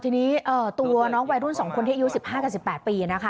ทีนี้ตัวน้องวัยรุ่น๒คนที่อายุ๑๕กับ๑๘ปีนะคะ